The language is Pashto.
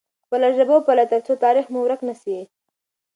خپله ژبه وپالئ ترڅو تاریخ مو ورک نه سي.